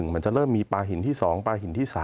มันจะเริ่มมีปลาหินที่๒ปลาหินที่๓